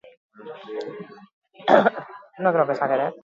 Bere izena, Korsikako Santa Julia santuagatik jasotzen du.